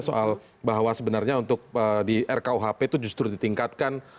soal bahwa sebenarnya untuk di rkuhp itu justru ditingkatkan